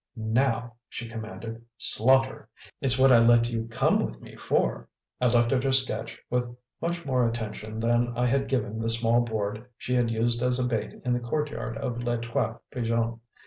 "Now," she commanded, "slaughter! It's what I let you come with me for." I looked at her sketch with much more attention than I had given the small board she had used as a bait in the courtyard of Les Trois Pigeons.